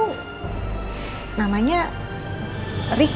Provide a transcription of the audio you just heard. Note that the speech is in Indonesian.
hai mungkin mungkin waktu itu elsa cerita sama aku